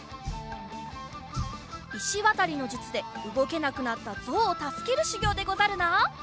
石渡りの術でうごけなくなったゾウをたすけるしゅぎょうでござるな。